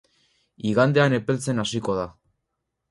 Igandean epeltzen hasiko da.